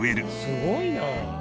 すごいな。